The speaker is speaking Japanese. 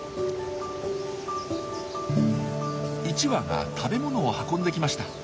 １羽が食べ物を運んできました。